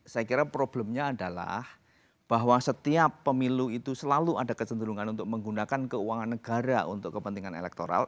saya kira problemnya adalah bahwa setiap pemilu itu selalu ada kecenderungan untuk menggunakan keuangan negara untuk kepentingan elektoral